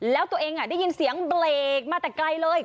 แล้วตัวเองได้ยินเสียงเบรกมาแต่ไกลเลย